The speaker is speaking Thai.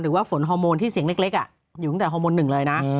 หรือว่าฝนฮอร์โมนที่เสียงเล็กอยู่ตั้งแต่ฮอร์โมน๑เลยนะ